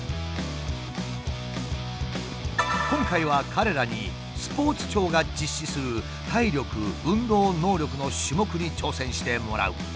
今回は彼らにスポーツ庁が実施する体力・運動能力の種目に挑戦してもらう。